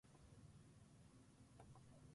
ここにある墓石は、すべて彼らの…名残です